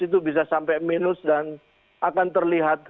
itu bisa sampai minus dan akan terlihat